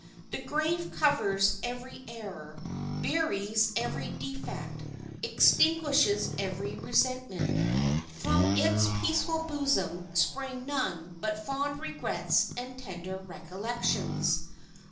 The grave covers every error, buries every defect, extinguishes every resentment. From its peaceful bosom spring none but fond regrets and tender recollections.